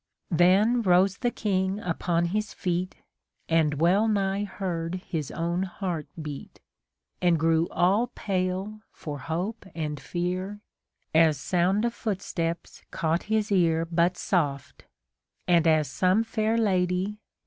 Then rose the King upon his feet, And well nigh heard his own heart beat, And grew all pale for hope and fear. As sound of footsteps caught his ear But soft, and as some fair lady.